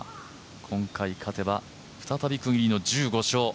今回勝てば再び区切りの１５勝。